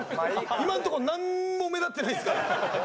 今のとこなんも目立ってないんですから。